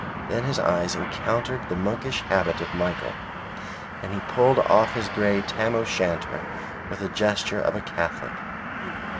Then his eyes encountered the monkish habit of Michael, and he pulled off his grey tam o' shanter with the gesture of a Catholic.